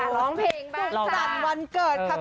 ร้องเพลงบ้างจัดวันเกิดค่ะ